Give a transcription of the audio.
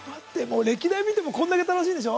歴代見てもこんなに楽しいんでしょ。